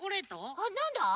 あっなんだ？